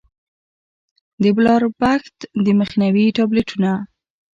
د بلاربښت د مخنيوي ټابليټونه